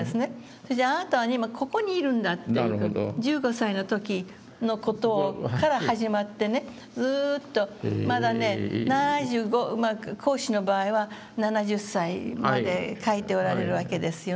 それで「あなたは今ここにいるんだ」という事を１５歳の時の事から始まってねずっとまだね７５孔子の場合は７０歳まで書いておられるわけですよね。